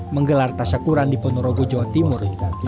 menggelar tasya kuran di ponorogo jawa timur